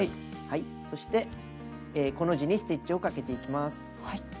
そしてコの字にステッチをかけていきます。